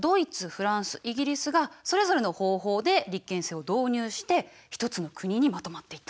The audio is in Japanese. フランスイギリスがそれぞれの方法で立憲制を導入して一つの国にまとまっていったの。